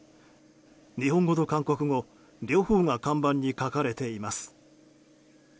日本語と韓国語両方が看板に書かれています。